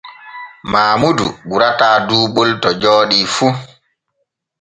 Maamudu ɓurata duuɓol to jooɗi fu.